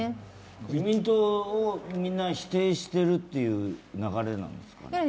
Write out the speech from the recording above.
自民党をみんな否定しているって流れなんですかね？